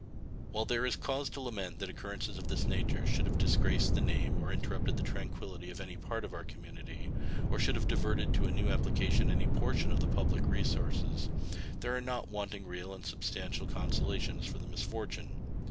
While there is cause to lament that occurrences of this nature should have disgraced the name or interrupted the tranquillity of any part of our community, or should have diverted to a new application any portion of the public resources, there are not wanting real and substantial consolations for the misfortune.